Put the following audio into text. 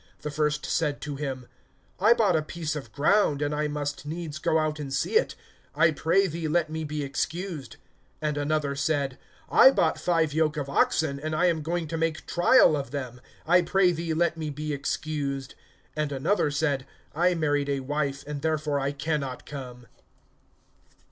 The first said to him: I bought a piece of ground, and I must needs go out and see it; I pray thee let me be excused. (19)And another said: I bought five yoke of oxen, and I am going to make trial of them; I pray thee let me be excused. (20)And another said: I married a wife; and therefore I can not come.